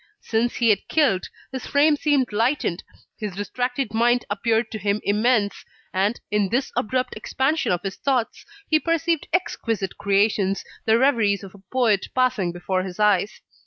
Since he had killed, his frame seemed lightened, his distracted mind appeared to him immense; and, in this abrupt expansion of his thoughts, he perceived exquisite creations, the reveries of a poet passing before his eyes.